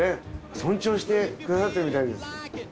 尊重してくださってるみたいです。